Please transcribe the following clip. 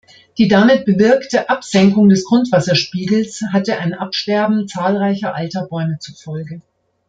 Die damit bewirkte Absenkung des Grundwasserspiegels hatte ein Absterben zahlreicher alter Bäume zur Folge.